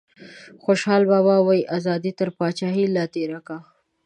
خوشحال بابا وايي ازادي تر پاچاهیه لا تیری کا.